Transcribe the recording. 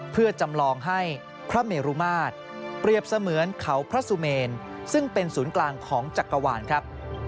เพื่อจำลองให้พระเมรุมาตรเปรียบเสมือนเขาพระสุเมนซึ่งเป็นศูนย์กลางของจักรวาลครับ